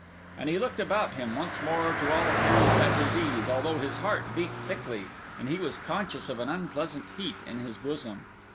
And he looked about him, once more to all appearance at his ease, although his heart beat thickly, and he was conscious of an unpleasant heat in his bosom.